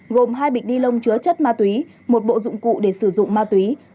gồm hai bịch ni lông chứa chất ma túy một bộ dụng cụ để sử dụng ma túy